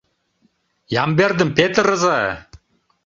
Ямбердым петырыза!